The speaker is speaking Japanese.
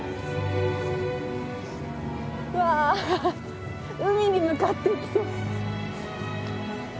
うわ海に向かっていきそう。